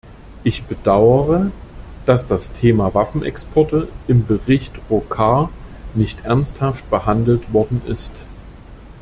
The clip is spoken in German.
Ich bedaure, dass das Thema Waffenexporte im Bericht Rocard nicht ernsthaft behandelt worden ist.